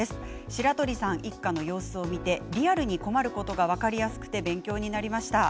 白鳥さん一家の様子を見てリアルに困ることが分かりやすくて勉強になりました。